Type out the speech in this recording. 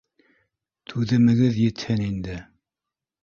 Түҙемегеҙ етһен инде